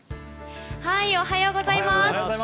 おはようございます。